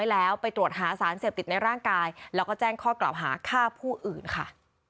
แล้วไปตรวจหาสารเสพติดในร่างกายแล้วก็แจ้งข้อกล่าวหาฆ่าผู้อื่นค่ะ